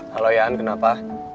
halo ya an kenapa